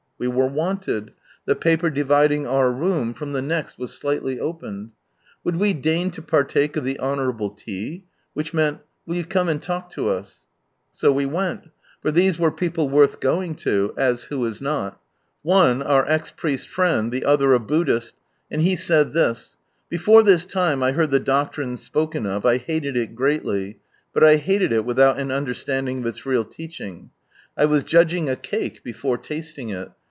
We were wanted, the paper dividing our room from the next was slightly opened. " Would we deign to partake of the honourable tea? " which meant " Will you come and talk to us ?" So we went, for these were people worth going to — as who is not ? One, our cx priest friend, the other a. Buddhist, and he said this —" Before this time, I heard the doctrine spoken of, I haled it greatly, but I hated it without an understanding of its real teaching. I was judging a cake before tasting it.